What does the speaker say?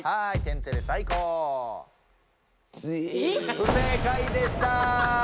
不正解でした。